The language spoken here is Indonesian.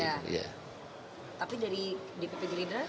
tapi dari dpp gerindra